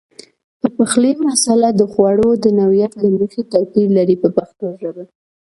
د پخلي مساله د خوړو د نوعیت له مخې توپیر لري په پښتو ژبه.